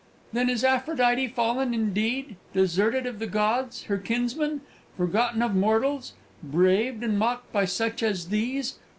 Then is Aphrodite fallen indeed; deserted of the gods, her kinsmen; forgotten of mortals; braved and mocked by such as these!